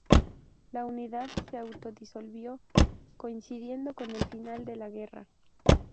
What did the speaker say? La unidad se autodisolvió coincidiendo con el final de la guerra.